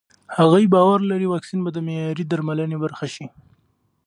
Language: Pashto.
هغې باور لري واکسین به د معیاري درملنې برخه شي.